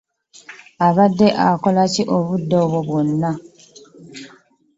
Obadde okola ki, obudde obwo bwonna?